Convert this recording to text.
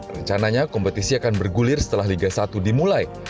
rencananya kompetisi akan bergulir setelah liga satu dimulai